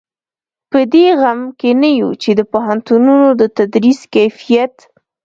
په دې غم کې نه یو چې د پوهنتونونو د تدریس کیفیت.